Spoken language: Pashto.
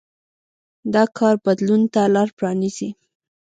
دا کار بدلون ته لار پرانېزي.